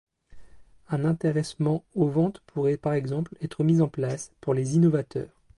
Un intéressement aux ventes pourraient par exemple est mis en place pour les innovateurs.